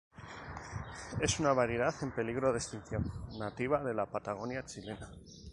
Es una variedad en peligro de extinción, nativa de la Patagonia chilena.